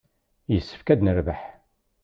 Yessefk ad nerbeḥ.